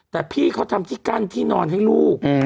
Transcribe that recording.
แต่พี่เขาทำที่กั้นที่นอนให้ลูก